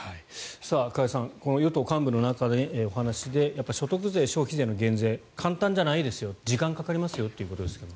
加谷さんこの与党幹部の中のお話で所得税、消費税の減税簡単じゃないですよ時間かかりますよということですが。